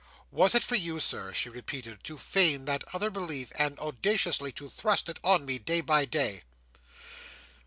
"Was it for you, Sir," she replied, "to feign that other belief, and audaciously to thrust it on me day by day?"